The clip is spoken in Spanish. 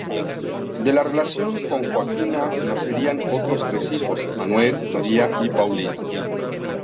De la relación con Joaquina nacerían otros tres hijos; Manuel, María y Paulina.